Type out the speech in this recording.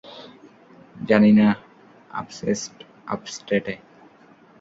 জানি না, আপস্টেটে।